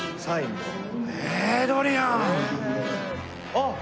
あっ。